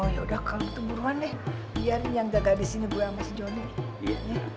ya udah kamu tunggu ronde biarin yang jaga di sini gue sama si jonny